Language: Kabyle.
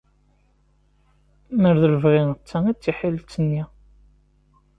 Mer d lebɣi d ta i d tiḥilet-nni.